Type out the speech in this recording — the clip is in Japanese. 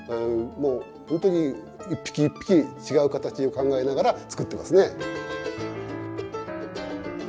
もう本当に一匹一匹違う形を考えながら作ってますね。